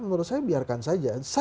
menurut saya biarkan saja